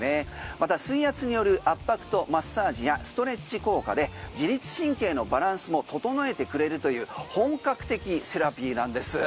また水圧による圧迫とマッサージやストレッチ効果で自律神経のバランスも整えてくれるという本格的セラピーなんです。